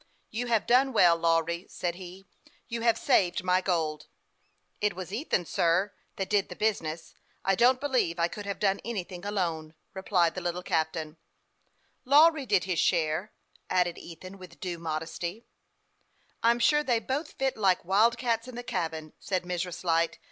" You have done well, Lawry," said he. " You have saved my gold." " It was Ethan, sir, that did the business. I don't THE YOUXG PILOT OF LAKE CIIAMPLAIN. 301 believe I could have done anything alone," replied the little captain. " La wry did his share," added Ethan, with due modesty. " I'm sure they both fit like wildcats in the cabin," said Mrs. Light.